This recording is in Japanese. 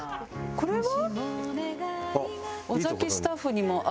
これは。